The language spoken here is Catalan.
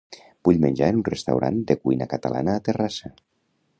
Vull menjar en un restaurant de cuina catalana a Terrassa.